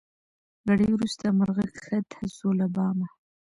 ګړی وروسته مرغه کښته سو له بامه